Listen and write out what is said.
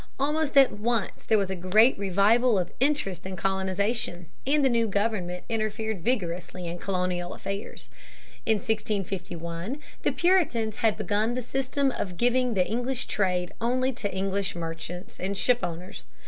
Almost at once there was a great revival of interest in colonization, and the new government interfered vigorously in colonial affairs. In 1651 the Puritans had begun the system of giving the English trade only to English merchants and shipowners.